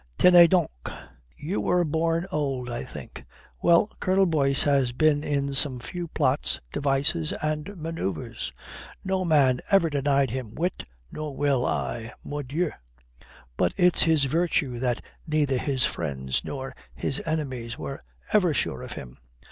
"Tenez donc. You were born old, I think. Well, Colonel Boyce has been in some few plots, devices, and manoeuvres. No man ever denied him wit, nor will I, mordieu. But it's his virtue that neither his friends nor his enemies were ever sure of him.